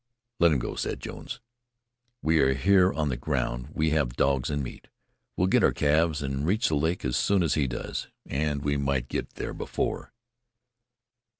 "Let him go," said Jones. "We are here on the ground. We have dogs and meat. We'll get our calves and reach the lake as soon as he does, and we might get there before."